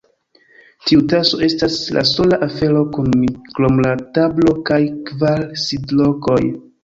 Tiu taso estas la sola afero kun mi, krom la tablo kaj kvar sidlokoj.